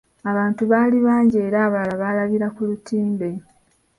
Abantu baali bangi era abalala baalabira ku lutimbe.